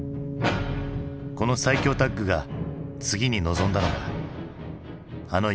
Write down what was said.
この最強タッグが次に臨んだのがあのＵＦＯ